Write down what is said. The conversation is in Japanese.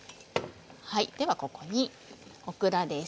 ではここにオクラです。